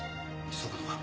急ぐのか？